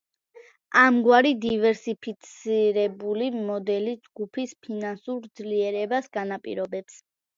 ამგვარი დივერსიფიცირებული მოდელი ჯგუფის ფინანსურ ძლიერებას განაპირობებს.